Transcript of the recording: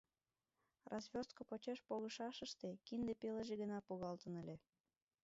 Развёрстко почеш погышашыште кинде пелыже гына погалтын ыле.